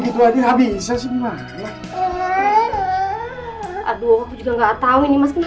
kau harus ke sana mama